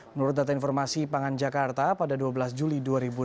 menurut data informasi pangan jakarta pada dua belas juli dua ribu delapan belas